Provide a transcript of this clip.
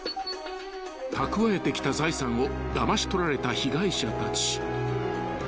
［蓄えてきた財産をだまし取られた被害者たち］